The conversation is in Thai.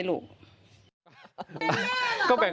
หนูก็แบ่ง